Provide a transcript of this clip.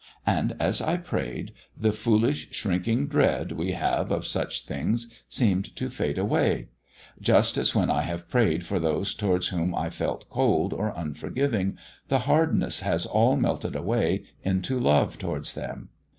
And as I prayed the foolish shrinking dread we have of such things seemed to fade away; just as when I have prayed for those towards whom I felt cold or unforgiving, the hardness has all melted away into love towards them.